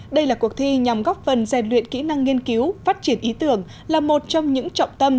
đây là cuộc thi nhằm góp phần rèn luyện kỹ năng nghiên cứu phát triển ý tưởng là một trong những trọng tâm